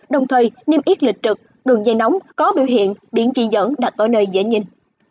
đồng thời niêm yết lịch trực đường dây nóng có biểu hiện điện chỉ dẫn đặt ở nơi dễ nhìn